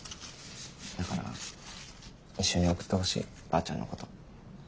だから一緒に送ってほしいばあちゃんのこと。